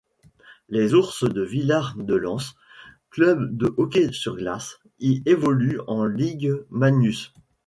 Les Ours de Villard-de-Lans, club de hockey sur glace, y évoluent en Ligue Magnus.